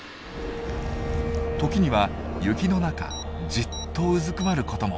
時には雪の中じっとうずくまることも。